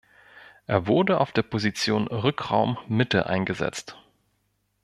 Er wurde auf der Position Rückraum Mitte eingesetzt.